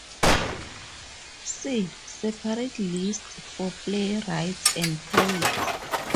"See" separate lists for playwrights and poets.